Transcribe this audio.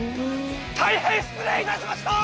大変失礼いたしました！